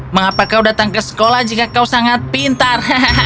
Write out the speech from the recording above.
mengapa kau datang ke sekolah jika kau sangat pintar